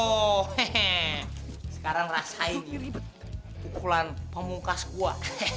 oh hehehe sekarang rasain pukulan pemungkas gua